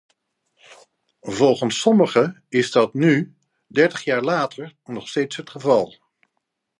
Volgens sommigen is dat nu, dertig jaar later, nog steeds het geval.